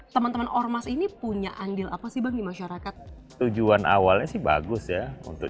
teman teman ormas ini punya andil apa sih bang di masyarakat tujuan awalnya sih bagus ya untuk